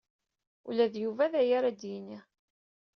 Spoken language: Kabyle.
Ula d Yuba d aya ara ak-d-yini.